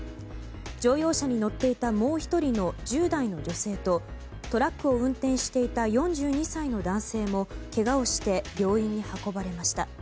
乗用車に乗っていたもう１人の１０代の女性とトラックを運転していた４２歳の男性もけがをして病院に運ばれました。